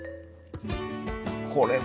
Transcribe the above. これは。